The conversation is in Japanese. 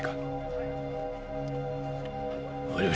はい。